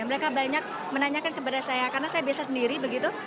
mereka banyak menanyakan kepada saya karena saya biasa sendiri begitu